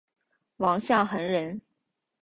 王象恒人。